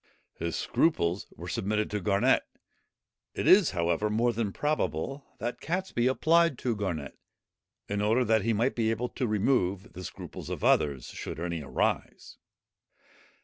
His scruples were submitted to Garnet. It is, however, more than probable, that Catesby applied to Garnet, in order that he might be able to remove the scruples of others, should any arise.